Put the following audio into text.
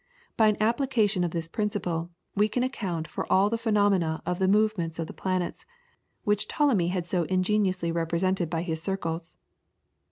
By an application of this principle, we can account for all the phenomena of the movements of the planets, which Ptolemy had so ingeniously represented by his circles.